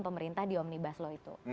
pemerintah di omnibus law itu